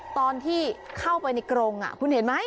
ตอนที่เข้าไปในกรงคุณเห็นไหม